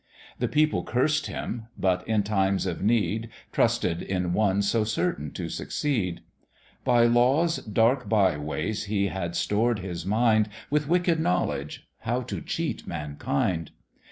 The people cursed him, but in times of need Trusted in one so certain to succeed: By Law's dark by ways he had stored his mind With wicked knowledge, how to cheat mankind.